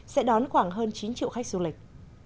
sẽ đón khoảng hơn chín triệu khách du lịch